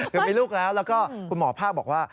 คือมีลูกแล้วแล้วก็คุณหมอภาคบอกว่า